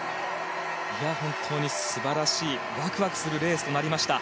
素晴らしいワクワクするレースとなりました。